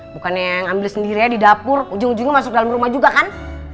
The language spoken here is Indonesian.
bukannya yang ambil sendirian di dapur ujung ujungnya masuk ke dalam rumah juga kan